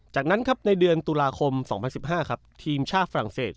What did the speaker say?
จากนั้นครับในเดือนตุลาคม๒๐๑๕ครับทีมชาติฝรั่งเศส